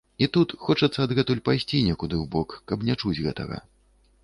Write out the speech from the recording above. І тут хочацца адгэтуль пайсці некуды ў бок, каб не чуць гэтага.